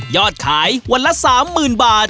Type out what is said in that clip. ยอดขายวันละ๓หมื่นบาท